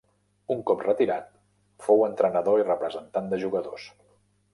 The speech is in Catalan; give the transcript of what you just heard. Un cop retirat fou entrenador i representant de jugadors.